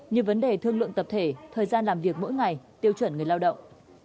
như vấn đề thương lượng tập thể thời gian làm việc mỗi ngày tiêu chuẩn người lao động